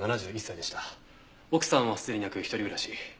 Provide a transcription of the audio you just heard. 奥さんはすでに亡く一人暮らし。